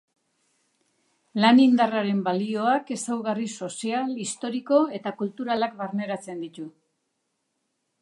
Lan-indarraren balioak ezaugarri sozial, historiko eta kulturalak barneratzen ditu.